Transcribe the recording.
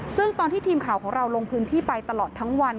ซึ่งตอนที่ทีมข่าวของเราลงพื้นที่ไปตลอดทั้งวัน